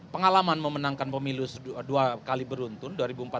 pengalaman memenangkan pemilu dua kali beruntun